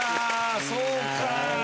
そうか！